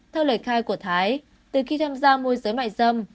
theo lời khai của thái từ khi tham gia môi giới mại dâm